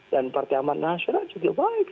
dan partai aman nasional juga baik